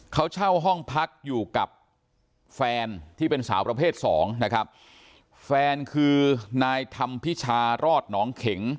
เขาเช่าห้องพักอยู่กับแฟนที่เป็นสาวประเภทสองนะครับแฟนคือนายธรรมพิชารอดหนองเข็ง